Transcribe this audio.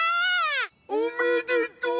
おめでとう！